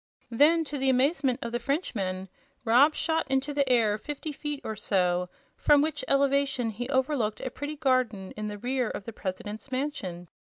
Then, to the amazement of the Frenchmen, Rob shot into the air fifty feet or so, from which elevation he overlooked a pretty garden in the rear of the President's mansion.